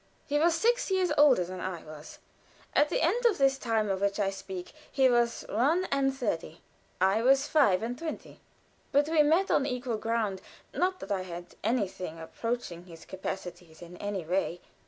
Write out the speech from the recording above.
He was six years older than I was. At the end of this time of which I speak he was one and thirty, I five and twenty; but we met on equal ground not that I had anything approaching his capacities in any way.